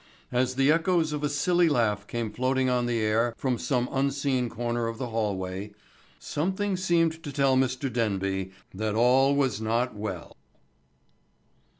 As the echoes of a silly laugh came floating on the air from some unseen corner of the hallway, something seemed to tell Mr. Denby that all was not well.